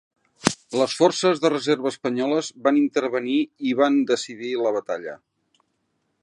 Les forces de reserva espanyoles van intervenir i van decidir la batalla.